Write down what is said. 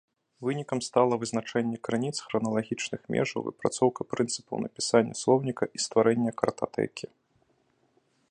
Вынікам стала вызначэнне крыніц, храналагічных межаў, выпрацоўка прынцыпаў напісання слоўніка і стварэння картатэкі.